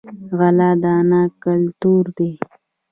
غله دانه کلتور دی.